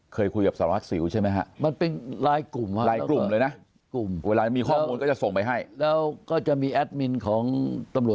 เคยคุยกับสหัวศิลป์ใช่ไหมฮะ